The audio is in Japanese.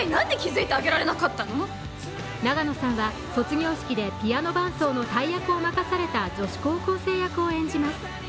永野さんは卒業式でピアノ伴奏の大役を任された女子高校生役を演じます。